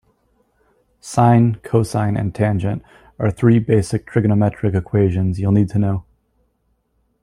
Sine, cosine and tangent are three basic trigonometric equations you'll need to know.